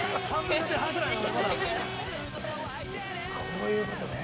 ◆こういうことね。